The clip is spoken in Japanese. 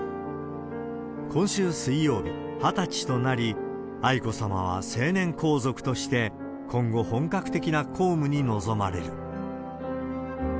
今週水曜日、２０歳となり、愛子さまは成年皇族として、今後、本格的な公務に臨まれる。